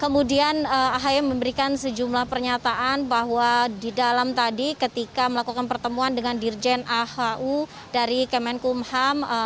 kemudian ahy memberikan sejumlah pernyataan bahwa di dalam tadi ketika melakukan pertemuan dengan dirjen ahu dari kemenkumham